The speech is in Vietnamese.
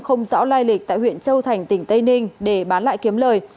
không rõ lai lịch tại huyện châu thành tỉnh tây ninh để bán lại kiếm lời